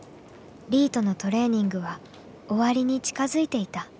リィとのトレーニングは終わりに近づいていた。